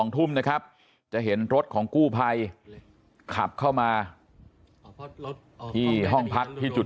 ๒ทุ่มนะครับจะเห็นรถของกู้ภัยขับเข้ามาที่ห้องพักที่จุด